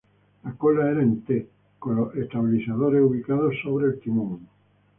La cola era en T, con los estabilizadores ubicados sobre el timón.